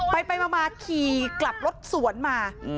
ไปมาขี่กลับรถสวนมา